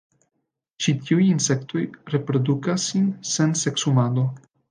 Ĉi tiuj insektoj reprodukas sin sen seksumado.